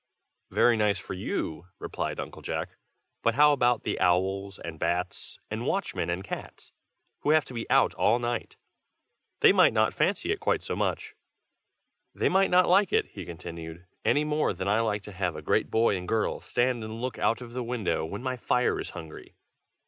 "Very nice for you," replied Uncle Jack. "But how about the owls and bats, and watchmen and cats, who have to be out all night? they might not fancy it quite so much. They might not like it," he continued, "any more than I like to have a great boy and girl stand and look out of the window, when my fire is hungry.